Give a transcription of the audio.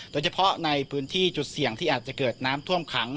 โดยเฉพาะในพื้นที่จุดเสี่ยงที่อาจจะเกิดน้ำท่วมขัง